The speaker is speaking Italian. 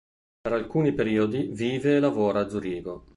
Per alcuni periodi vive e lavora a Zurigo.